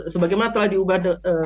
sebagaimana telah diubah